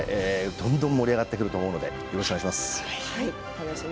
どんどん盛り上がってくると思うのでよろしくお願いします。